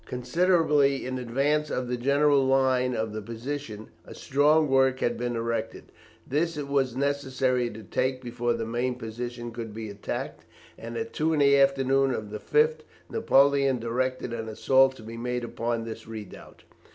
] Considerably in advance of the general line of the position a strong work had been erected; this it was necessary to take before the main position could be attacked, and at two in the afternoon of the 5th, Napoleon directed an assault to be made upon this redoubt.